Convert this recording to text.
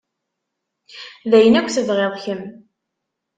D ayen akk tebɣiḍ kemm.